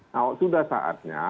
nah sudah saatnya